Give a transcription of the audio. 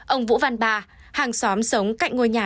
ông vũ văn ba hàng xóm sống cạnh ngôi nhà